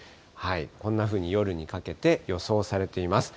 こんなふうに夜にかけて、予想されています。